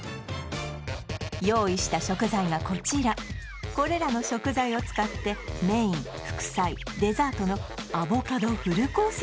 用意した食材がこちらこれらの食材を使ってメイン副菜デザートのアボカドフルコース